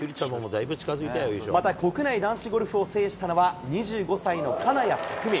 また国内男子ゴルフを制したのは、２５歳の金谷拓実。